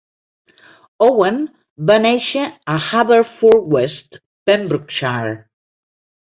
Owen va néixer a Haverfordwest, Pembrokeshire.